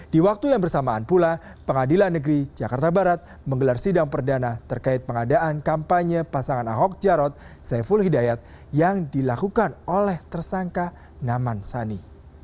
di waktu yang bersamaan pula pengadilan negeri jakarta barat menggelar sidang perdana terkait pengadaan kampanye pasangan ahok jarot saiful hidayat yang dilakukan oleh tersangka naman sani